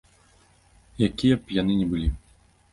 Якія б яны ні былі.